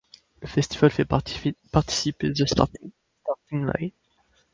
Le festival fait participer The Starting Line.